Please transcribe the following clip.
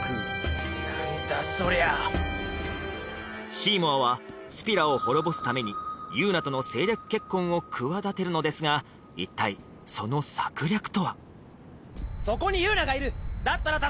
シーモアはスピラを滅ぼすためにユウナとの政略結婚を企てるのですが一体その策略とは？